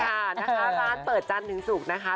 ร้านเปิดจันทร์ถึงสุกนะคะ